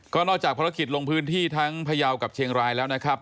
ก็นอกจากภารกิจลงพื้นที่ทั้งพยาวกับเชียงรายแล้วนะครับ